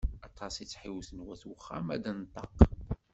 Aṭas i tt-ḥiwten wat uxxam ad d-tenṭeq.